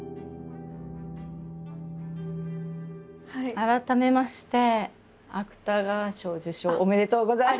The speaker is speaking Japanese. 改めまして芥川賞受賞おめでとうございます。